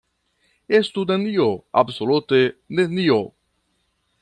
Estu nenio, absolute nenio!